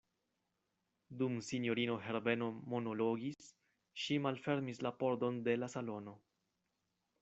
Dum sinjorino Herbeno monologis, ŝi malfermis la pordon de la salono.